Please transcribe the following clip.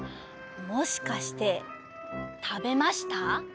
もしかしてたべました？